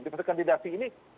di fase kandidasi ini